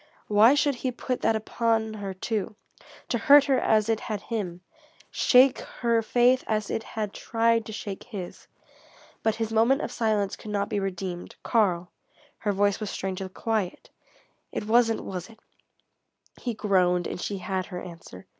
Why should he put that upon her, too, to hurt her as it had him, shake her faith as it had tried to shake his? But his moment of silence could not be redeemed. "Karl," her voice was strangely quiet "it wasn't, was it?" He groaned, and she had her answer.